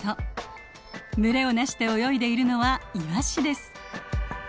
群れを成して泳いでいるのはイワシです。